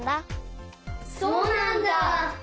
そうなんだ。